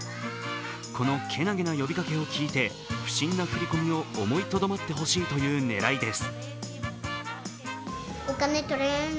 このけなげな呼びかけを聞いて不審な振り込みを思いとどまってほしいという狙いです。